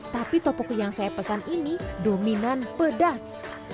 tapi topoki yang saya pesan ini dominan pedas